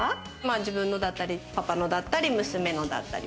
自分のだったり、パパのだったり、娘のだったり。